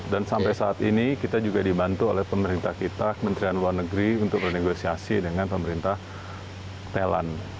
dan sampai saat ini kita juga dibantu oleh pemerintah kita kementerian luar negeri untuk renegosiasi dengan pemerintah thailand